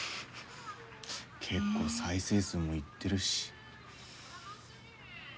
結構再生数もいってるし。